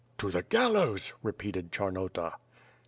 "To the gallows!" repeated Charnota.